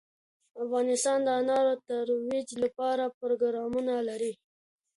افغانستان د انار د ترویج لپاره پروګرامونه لري.